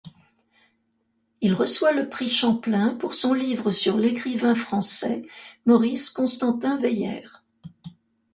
Il reçoit le prix Champlain pour son livre sur l'écrivain français, Maurice Constantin-Weyer.